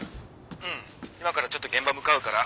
うん今からちょっと現場向かうから。